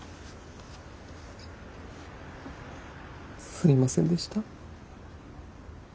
すいませんでした。